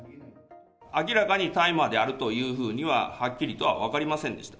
明らかに大麻であるというふうには、はっきりとは分かりませんでした。